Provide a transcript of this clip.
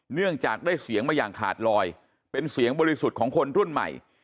เนื่องจากได้เสียงมาอย่างขาดลอยเป็นเสียงบริสุทธิ์ของคนรุ่นใหม่